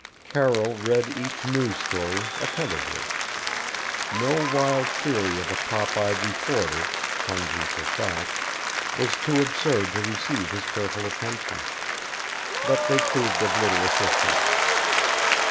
Carroll read each news story attentively. No wild theory of a pop eyed reporter, hungry for fact, was too absurd to receive his careful attention. But they proved of little assistance.